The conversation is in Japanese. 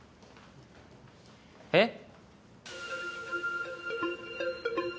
えっ？